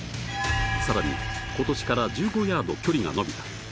更に、今年から１５ヤード距離が延びた。